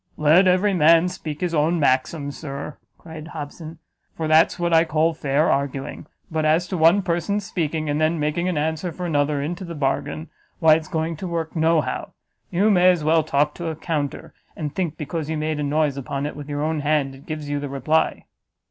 "Let every man speak his own maxim, Sir," cried Hobson; "for that's what I call fair arguing: but as to one person's speaking, and then making an answer for another into the bargain, why it's going to work no how; you may as well talk to a counter, and think because you make a noise upon it with your own hand, it gives you the reply."